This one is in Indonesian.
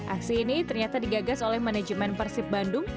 aksi ini ternyata digagas oleh manajemen persib bandung